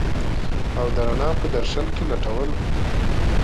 او د رڼا په درشل کي لټول